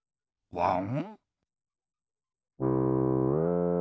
ワン！